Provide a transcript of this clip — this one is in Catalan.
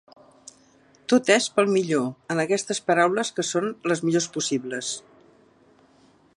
Tot és per al millor, en aquestes paraules que són les millors possibles.